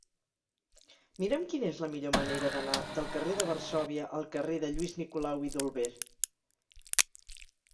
Mira'm quina és la millor manera d'anar del carrer de Varsòvia al carrer de Lluís Nicolau i d'Olwer.